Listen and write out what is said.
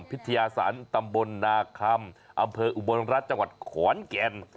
พิทยาศาสตร์ตำบลนาคมอำเภออุบลรัฐจังหวัดขวานเกียรติ